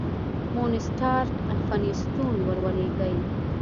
مونسټارټ الفینستون ور ولېږی.